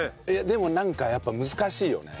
でもなんかやっぱ難しいよね。